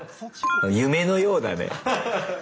夢のようだね。